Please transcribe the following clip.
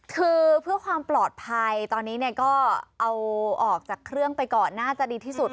คือเพื่อความปลอดภัยตอนนี้เนี่ยก็เอาออกจากเครื่องไปก่อนน่าจะดีที่สุด